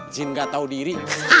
jin gak tau diri